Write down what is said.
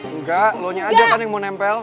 enggak lo nyajak kan yang mau nempel